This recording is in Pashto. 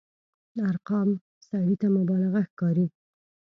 ارقام سړي ته مبالغه ښکاري.